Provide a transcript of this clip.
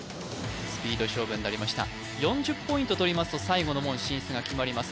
スピード勝負になりました４０ポイント取りますと最後の門進出が決まります